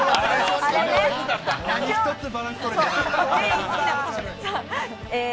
何一つバランス取れてない。